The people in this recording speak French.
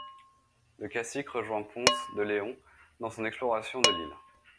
Le cacique rejoint Ponce de León dans son exploration de l'île.